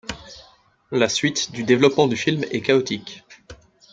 La suite du développement du film est chaotique.